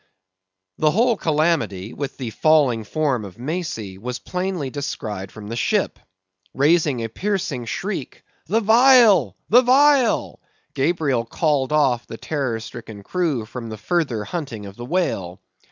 The whole calamity, with the falling form of Macey, was plainly descried from the ship. Raising a piercing shriek—"The vial! the vial!" Gabriel called off the terror stricken crew from the further hunting of the whale.